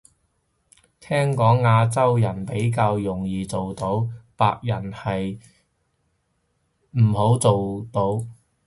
聽講亞洲人比較容易做到，白人唔係好做到